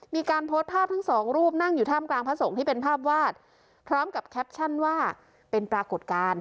มีการโพสต์ภาพทั้งสองรูปนั่งอยู่ท่ามกลางพระสงฆ์ที่เป็นภาพวาดพร้อมกับแคปชั่นว่าเป็นปรากฏการณ์